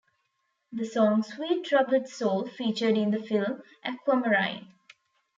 The song "Sweet Troubled Soul" featured in the film "Aquamarine".